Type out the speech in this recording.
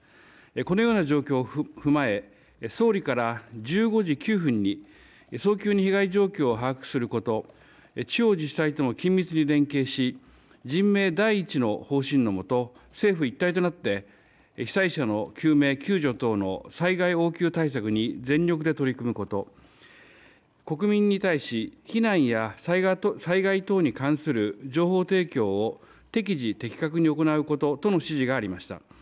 このような状況を踏まえ総理から１５時９分に早急に被害状況を把握すること、地方自治体と緊密に連携し人命第一の方針のもと政府一体となって被災者の救命救助等の災害応急対策に全力で取り組むこと、国民に対し避難や災害等に関する情報提供を適時的確に行うこととの指示がありました。